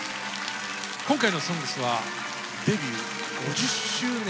今回の「ＳＯＮＧＳ」はデビュー５０周年を迎えます